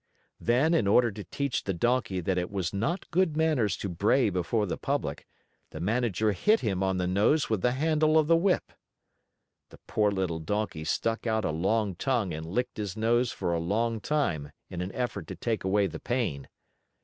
Then, in order to teach the Donkey that it was not good manners to bray before the public, the Manager hit him on the nose with the handle of the whip. The poor little Donkey stuck out a long tongue and licked his nose for a long time in an effort to take away the pain.